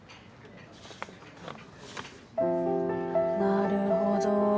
なるほど。